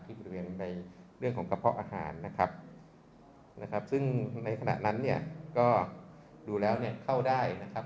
บริเวณในเรื่องของกระเพาะอาหารนะครับนะครับซึ่งในขณะนั้นเนี่ยก็ดูแล้วเนี่ยเข้าได้นะครับ